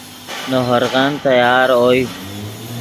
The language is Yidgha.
نے ہورغن تیار اوئے